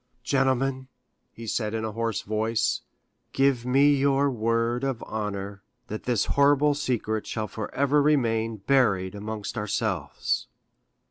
"Gentlemen," he said in a hoarse voice, "give me your word of honor that this horrible secret shall forever remain buried amongst ourselves!"